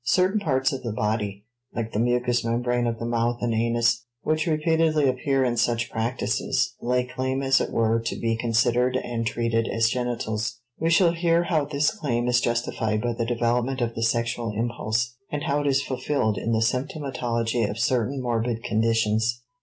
Certain parts of the body, like the mucous membrane of the mouth and anus, which repeatedly appear in such practices, lay claim as it were to be considered and treated as genitals. We shall hear how this claim is justified by the development of the sexual impulse, and how it is fulfilled in the symptomatology of certain morbid conditions.